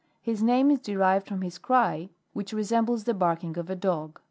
His name is derived from his cry, which resembles the barking of a dog.